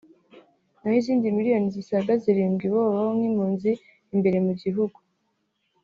naho izindi miliyoni zisaga zirindwi bo babaho nk’impunzi imbere mu gihugu